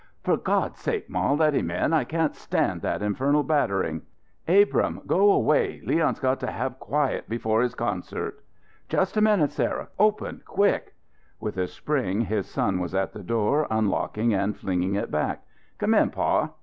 "For God's sake, ma, let him in! I can't stand that infernal battering." "Abrahm, go away! Leon's got to have quiet before his concert." "Just a minute, Sarah. Open quick!" With a spring, his son was at the door, unlocking and flinging it back. "Come in, pa."